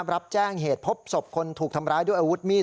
รับแจ้งเหตุพบศพคนถูกทำร้ายด้วยอาวุธมีด